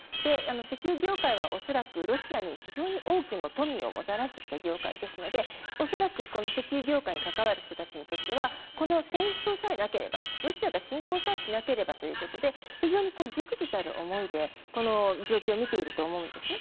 石油業界は恐らくロシアに非常に多くの富をもたらしてきた業界ですので恐らく、石油業界に関わる人たちにとってはこの戦争さえなければロシアが侵攻さえしなければということで非常にじくじたる思いでこの状況を見ていると思うんですね。